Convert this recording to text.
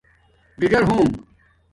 ڎی ڎار ہوم